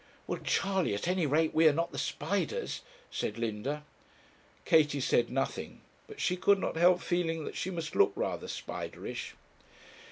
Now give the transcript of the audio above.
'Well, Charley, at any rate we are not the spiders,' said Linda. Katie said nothing, but she could not help feeling that she must look rather spiderish.